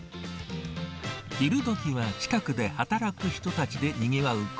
昼どきは近くで働く人たちでにぎわう